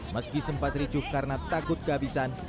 meski sempat ricuh karena takut kehabisan